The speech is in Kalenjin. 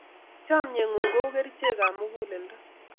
Chamyengung ko u kerichrk ap muguleldo